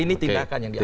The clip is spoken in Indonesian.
ini tindakan yang diambil